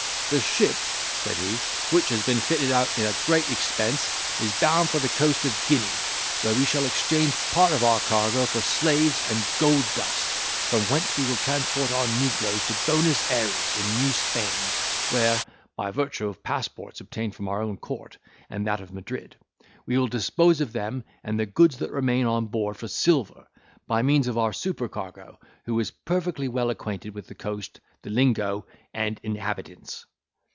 "The ship," said he, "which has been fitted out at a great expense, is bound for the coast of Guinea, where we shall exchange part of our cargo for slaves and gold dust, from whence we will transport our negroes to Buenos Ayres in New Spain, where (by virtue of passports, obtained from our own court, and that of Madrid) we will dispose of them and the goods that remain on board for silver, by means of our supercargo, who is perfectly well acquainted with the coast, the lingo, and inhabitants."